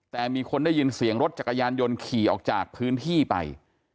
แต่มีคนได้ยินเสียงรถจักรยานยนต์ขี่ออกจากพื้นที่ไป